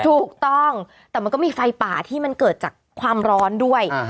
ถูกต้องแต่มันก็มีไฟป่าที่มันเกิดจากความร้อนด้วย